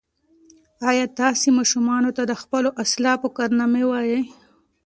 ایا تاسي ماشومانو ته د خپلو اسلافو کارنامې وایئ؟